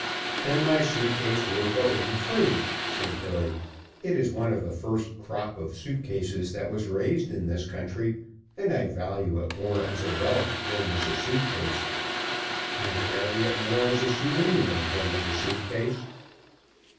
"Then my suit case will go in free," said Billy. "It is one of the first crop of suit cases that was raised in this country, and I value it more as a relic than as a suit case. I carry it more as a souvenir than as a suit case."